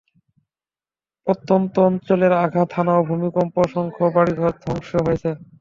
প্রত্যন্ত অঞ্চলে আঘাত হানা এ ভূমিকম্পে অসংখ্য বাড়িঘর ধ্বংস হয়েছে।